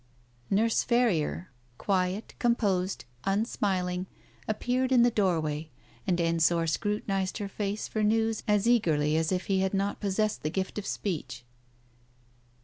Nurse Ferrier, quiet, composed, unsmiling, appeared in the doorway, and Ensor scrutinized her face for news as eagerly as if he had not possessed the gift of speech.